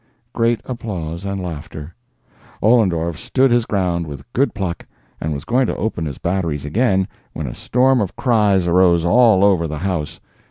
(Great applause and laughter.) Ollendorf stood his ground with good pluck, and was going to open his batteries again, when a storm of cries arose all over the house.